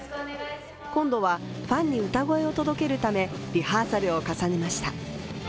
今度は、ファンに歌声を届けるためリハーサルを重ねました。